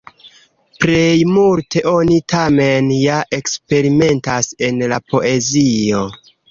Plej multe oni tamen ja eksperimentas en la poezio.